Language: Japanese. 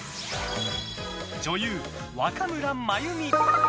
女優・若村麻由美！